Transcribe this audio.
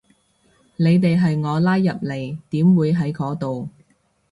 你哋係我拉入嚟，點會喺嗰度